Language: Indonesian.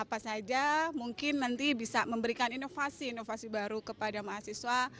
apa saja mungkin nanti bisa memberikan inovasi inovasi baru kepada mahasiswa